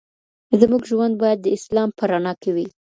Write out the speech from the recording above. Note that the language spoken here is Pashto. زموږ ژوند باید د اسلام په رڼا کي وي.